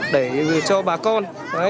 để cho bà con